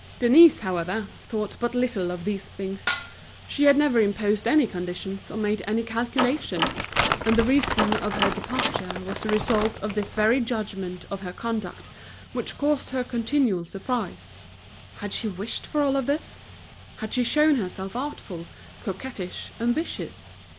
Denise, however, thought but little of these things. She had never imposed any conditions or made any calculation. And the reason of her departure was the result of this very judgment of her conduct, which caused her continual surprise. Had she wished for all this? Had she shown herself artful, coquettish, ambitious?